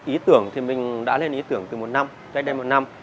ý tưởng thì mình đã lên ý tưởng từ một năm cách đây một năm